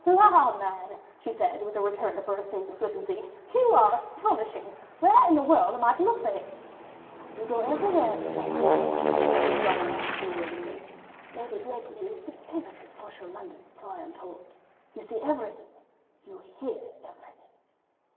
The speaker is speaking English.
"La! man," she said with a return of her assumed flippancy, "you are astonishing. Where in the world am I to look for him?" "You go everywhere, citoyenne," whispered Chauvelin, insinuatingly, "Lady Blakeney is the pivot of social London, so I am told ... you see everything, you hear everything."